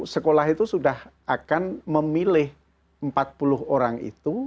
sekolah itu sudah akan memilih empat puluh orang itu